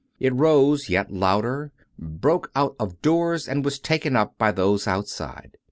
It rose yet louder, broke out of doors, and was taken up by those outside.